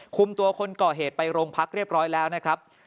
คุมตัวคนก่อเหตุไปโรงพักเรียบร้อยแล้วนะครับ